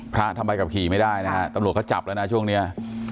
พระทำไมกลับขี่ไม่ได้นะฮะตำรวจก็จับแล้วนะช่วงเนี้ย